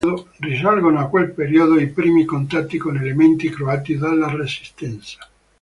Risalgono a quel periodo i primi contatti con elementi croati della Resistenza.